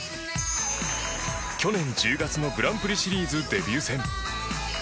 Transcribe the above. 去年１０月のグランプリシリーズデビュー戦。